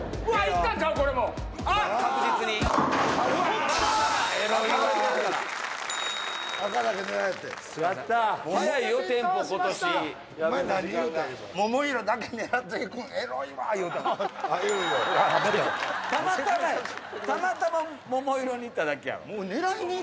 たまたま桃色にいっただけやろ。